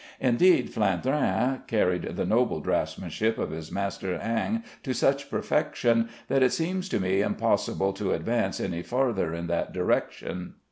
Indeed, Flandrin carried the noble draughtsmanship of his master Ingres to such perfection that it seems to me impossible to advance any farther in this direction.